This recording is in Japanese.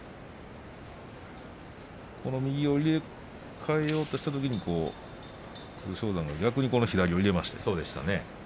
この右を入れ替えようとしたときに、武将山が逆に左を入れました。